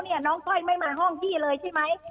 น้องก้อยไม่มาห้องพี่เลยใช่ไหม